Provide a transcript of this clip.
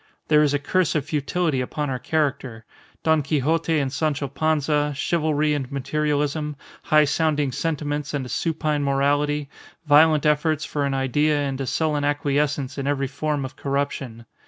There is a curse of futility upon our character: Don Quixote and Sancho Panza, chivalry and materialism, high sounding sentiments and a supine morality, violent efforts for an idea and a sullen acquiescence in every form of corruption.